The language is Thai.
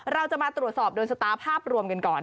เราจะมาตรวจสอบโดนชะตาภาพรวมกันก่อน